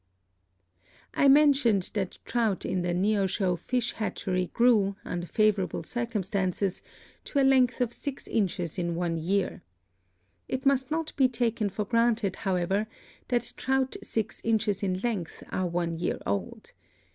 I mentioned that trout in the Neosho Fish Hatchery grew, under favorable circumstances, to a length of six inches in one year. It must not be taken for granted, however, that trout six inches in length are one year old.